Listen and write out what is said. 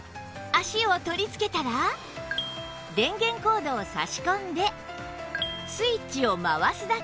脚を取りつけたら電源コードを差し込んでスイッチを回すだけ